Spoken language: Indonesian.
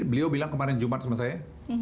beliau bilang kemarin jumat sama saya